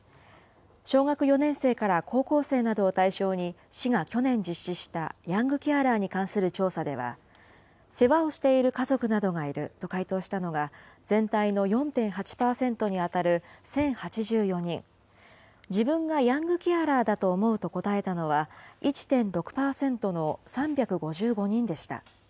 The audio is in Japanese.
小学４年生から高校生などを対象に、市が去年実施したヤングケアラーに関する調査では、世話をしている家族などがいると回答したのが全体の４．８％に当たる１０８４人、自分がヤングケアラーだと思うと答えたのは１．６％の３５５人でした。